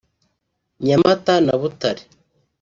Nyamata na Butare